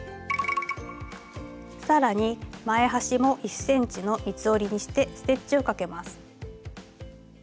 更に前端も１ｃｍの三つ折りにしてステッチをかけます。